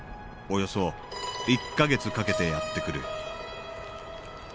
およそ１か月かけてやって来る。